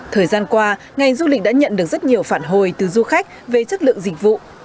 thời gian qua ngành du lịch đã nhận được rất nhiều phản hồi từ du khách về chất lượng dịch vụ